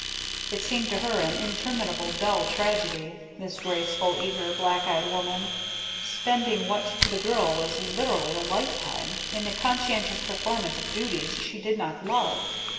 It seemed to her an interminable dull tragedy; this graceful, eager, black eyed woman, spending what to the girl was literally a lifetime, in the conscientious performance of duties she did not love.